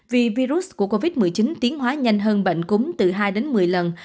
vì virus của covid một mươi chín tiến hóa nhanh hơn bệnh cúm từ hai đến một mươi lần